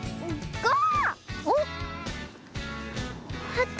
あった。